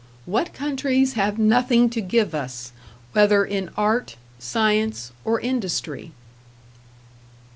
What countries have nothing to give us, whether in art, science, or industry?